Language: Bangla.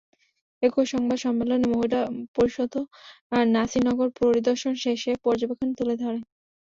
একই সংবাদ সম্মেলনে মহিলা পরিষদও নাসিরনগর পরিদর্শন শেষে পর্যবেক্ষণ তুলে ধরে।